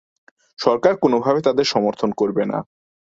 সরকার কোনোভাবে তাদের সমর্থন করবে না।